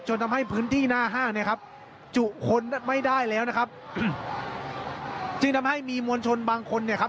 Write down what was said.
ทำให้พื้นที่หน้าห้างเนี่ยครับจุคนไม่ได้แล้วนะครับจึงทำให้มีมวลชนบางคนเนี่ยครับ